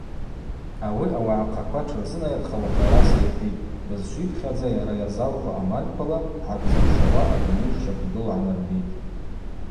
Ауи ауагӏахъаква тшырзынайырхауата араса йхӏвитӏ: Бызшвипхьадза йара йазалху амальквала хӏгӏакӏвзыршауа адуней шщаквгылу гӏанарбитӏ.